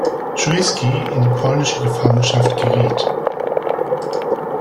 Schuiski in die polnische Gefangenschaft geriet.